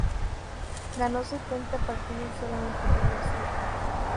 Ganó setenta partidos y solamente perdió seis.